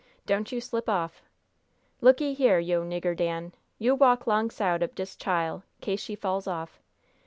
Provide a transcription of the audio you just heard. Don't you slip off! Look'ee here, yo' nigger Dan; yo' walk 'longside ob dis chile, case she fall off.